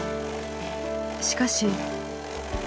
しかし。